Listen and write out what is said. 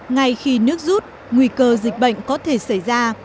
ngay khi nước rút nguy cơ dịch bệnh có thể xảy ra